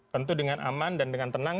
tentu dengan aman dan dengan tenang